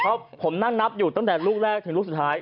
เพราะผมนั่งนับอยู่ตั้งแต่ลูกแรกถึงลูกสุดท้าย